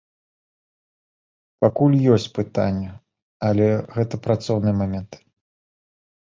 Пакуль ёсць пытанні, але гэта працоўныя моманты.